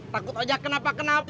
takut ojak kenapa kenapa